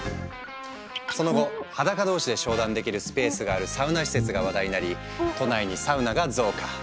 その後裸同士で商談できるスペースがあるサウナ施設が話題になり都内にサウナが増加。